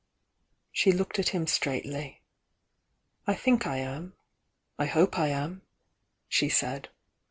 She looked at him straightly. "I think I am — I hope I am," she said.